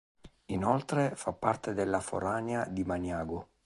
Inoltre, fa parte della forania di Maniago.